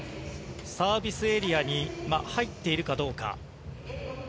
サービスエリアに入っているかどうか。